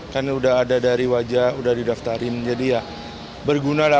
kan udah ada dari wajah udah didaftarin jadi ya berguna lah